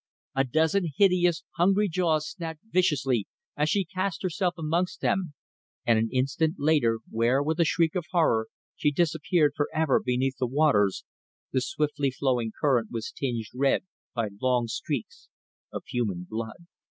A dozen hideous, hungry jaws snapped viciously as she cast herself amongst them, and an instant later where, with a shriek of horror, she disappeared for ever beneath the waters, the swiftly flowing current was tinged red by long streaks of human blood.